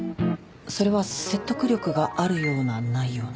それは説得力があるようなないような。